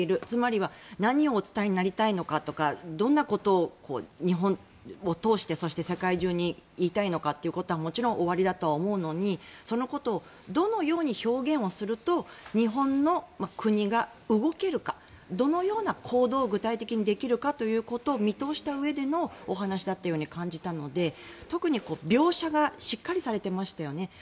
つまり何をお伝えになりたいのかとかどんなことを日本を通してそして世界中に言いたいのかはもちろんおありだと思うのにそのことをどう表現すると日本の国が動けるかどのような行動を具体的にできるかということを見通したうえでのお話だというふうに感じたので特に描写がしっかりされていましたよね。